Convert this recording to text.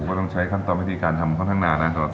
กูก็ต้องใช้คำตอบพิธีการทำค่อนข้างนั้นนะตัวนี้